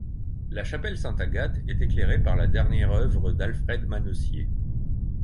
La chapelle St Agathe est éclairée par la dernière œuvre d'Alfred Manessier.